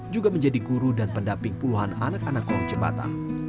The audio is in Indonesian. juga menjadi guru dan pendamping puluhan anak anak kolong jembatan